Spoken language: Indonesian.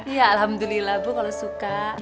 iya alhamdulillah bu kalau suka